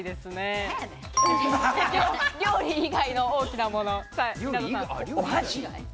料理以外の大きなもの。